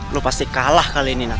lo pasti kalah kali ini nath